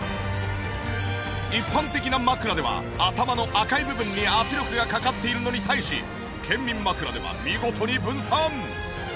一般的な枕では頭の赤い部分に圧力がかかっているのに対し健眠枕では見事に分散。